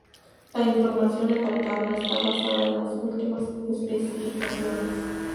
La información en la tabla está basada en las últimas especificaciones.